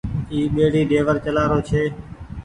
اي ٻيڙي ڊيور چلآ رو ڇي۔